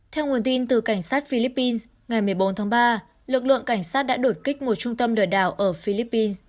theo nguồn tin từ cảnh sát philippines ngày một mươi bốn tháng ba lực lượng cảnh sát đã đột kích một trung tâm lừa đảo ở philippines